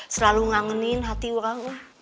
selalu ngangenin hati orang